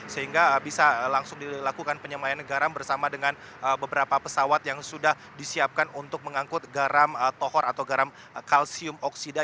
sehingga bisa langsung dilakukan penyemayan garam bersama dengan beberapa pesawat yang sudah disiapkan untuk mengangkut garam tohor atau garam kalsium oksida